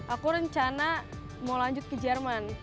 aku rencana mau lanjut ke jerman